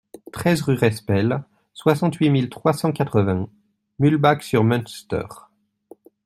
treize rue Respel, soixante-huit mille trois cent quatre-vingts Muhlbach-sur-Munster